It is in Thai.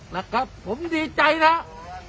นะครับผมดีใจนะครับ